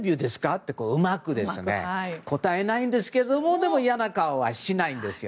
ってうまく、答えないんですけどもいやな顔はしないんですよ。